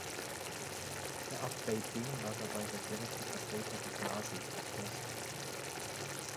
Der Av Beit Din war dabei der direkte Vertreter des Nasi, des „Fürsten“.